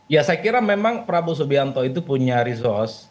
ya saya kira memang prabowo subianto itu punya resource